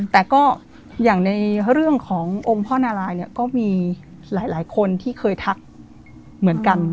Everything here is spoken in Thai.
แต่ก็อย่างในเรื่องขององค์พ่อนารายเนี่ยก็มีหลายคนที่เคยทักเหมือนกัน